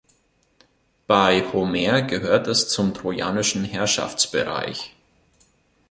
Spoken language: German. Bei Homer gehört es zum trojanischen Herrschaftsbereich.